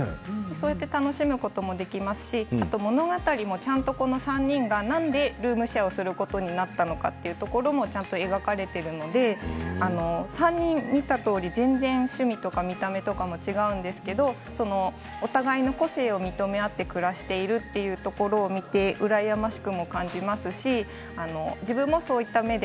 そうやって楽しむことができますしの語りもちゃんとこの３人がなんでルームシェアをすることになったのかちゃんと描かれているので３人見たとおり全然趣味や見た目も違うんですけどお互いの個性を認め合って暮らしているというところを見て羨ましくも感じますし中でもそういった面で